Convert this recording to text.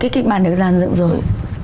cái kịch bản được giản dựng rồi